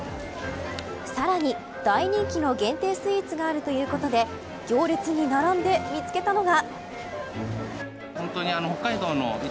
さらに大人気の限定スイーツがあるということで行列に並んで見つけたのが。